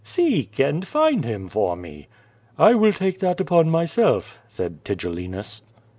"Seek, and find him for me." "I will take that upon myself," said Tigellinus.